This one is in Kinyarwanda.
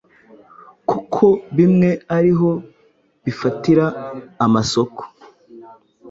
kuko bimwe ari ho bifatira amasoko.